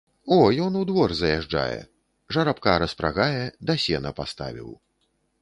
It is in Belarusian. О, ён у двор заязджае, жарабка распрагае, да сена паставіў.